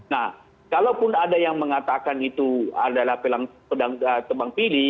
nah kalaupun ada yang mengatakan itu adalah tebang pilih